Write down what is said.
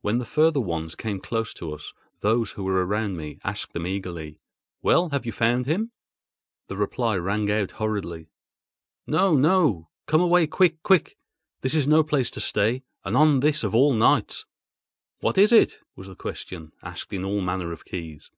When the further ones came close to us, those who were around me asked them eagerly: "Well, have you found him?" The reply rang out hurriedly: "No! no! Come away quick—quick! This is no place to stay, and on this of all nights!" "What was it?" was the question, asked in all manner of keys.